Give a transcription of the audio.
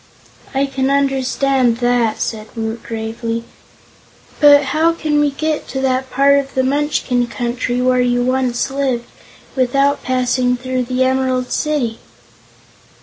"I can understand that," said Woot gravely. "But how can we get to that part of the Munchkin Country where you once lived without passing through the Emerald City?"